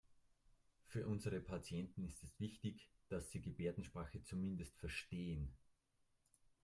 Für unsere Patienten ist es wichtig, dass Sie Gebärdensprache zumindest verstehen.